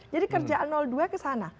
jadi kerjaan dua kesana